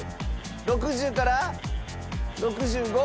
６０から６５。